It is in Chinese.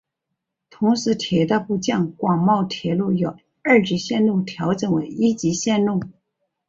同时铁道部将广茂铁路由二级线路调整为一级线路。